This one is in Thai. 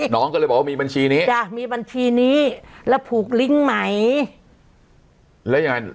น้องก็เลยบอกว่ามีบัญชีนี้จ้ะมีบัญชีนี้แล้วผูกลิงก์ไหมแล้วยังไง